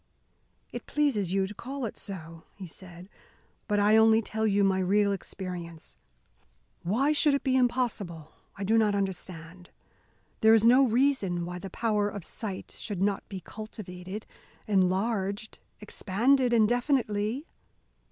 "It pleases you to call it so," he said, "but I only tell you my real experience. Why it should be impossible I do not understand. There is no reason why the power of sight should not be cultivated, enlarged, expanded indefinitely."